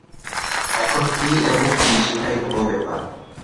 এখন কে এবং কী সেটাই বড় ব্যাপার!